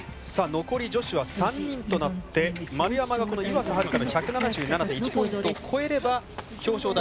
残り女子は３人となって丸山が、この岩佐明香の１７７．１ポイントを超えれば表彰台。